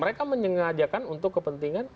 mereka menyengajakan untuk kepentingan